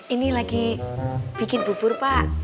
ini lagi bikin bubur pak